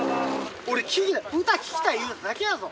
俺歌聴きたい言うただけやぞ。